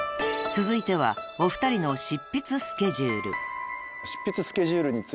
［続いてはお二人の執筆スケジュール］